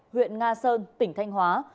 huyện nga sơn tỉnh thanh hóa